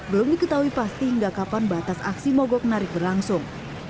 belum diketahui pasti hingga kapan batas aksi mogok narik berlangsung